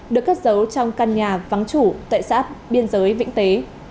được cất giấu trong căn nhà vắng chủ tại xã biên giới vĩnh tế